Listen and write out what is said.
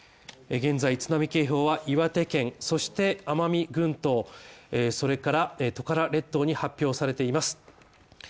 現在津波警報は、岩手県、そして奄美群島それからトカラ列島に発表されています。